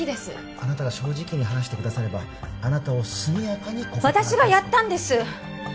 あなたが正直に話してくださればあなたを速やかに私がやったんです！